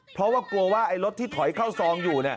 เพราะว่ากลัวว่ารถที่ถอยเข้าซองอยู่